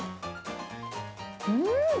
うん！